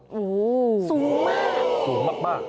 โอ้โหสูงมากสูงมาก